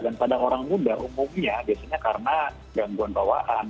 dan pada orang muda umumnya biasanya karena gangguan bawaan